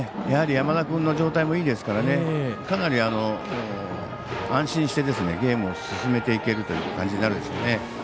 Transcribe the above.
やはり山田君の状態もいいですしかなり、安心してゲームを進めていけるという感じになるでしょうね。